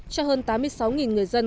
cho hơn tám mươi sáu người dân